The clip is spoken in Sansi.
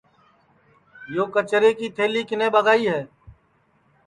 یو کچرے کی تھلی کِنے ٻگائی ہے